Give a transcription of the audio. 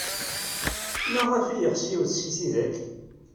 Maɣef ay yeɣs yiwet seg tidak?